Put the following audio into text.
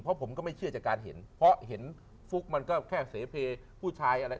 เพราะผมก็ไม่เชื่อจากการเห็นเพราะเห็นฟุ๊กมันก็แค่เสเพผู้ชายอะไร